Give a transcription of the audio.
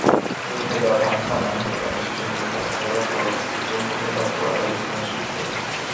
მიუხედავად ამისა, მანჰეტენის ჩინური დასახლება, თავისი სიძველით მუდამ ყურადღების ცენტრში რჩება.